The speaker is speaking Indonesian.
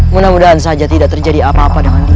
mudah mudahan saja tidak terjadi apa apa dengan dia